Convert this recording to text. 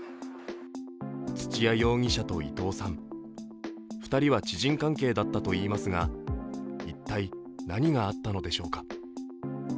土屋容疑者と伊藤さん、２人は知人関係だったといいますが一体何があったのでしょうか。